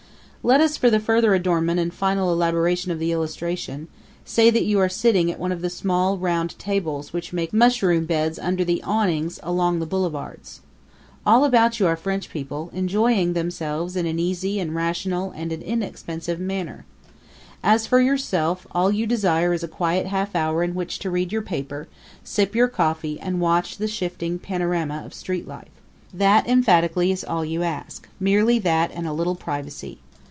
Let us, for the further adornment and final elaboration of the illustration, say that you are sitting at one of the small round tables which make mushroom beds under the awnings along the boulevards. All about you are French people, enjoying themselves in an easy and a rational and an inexpensive manner. As for yourself, all you desire is a quiet half hour in which to read your paper, sip your coffee, and watch the shifting panorama of street life. That emphatically is all you ask; merely that and a little privacy.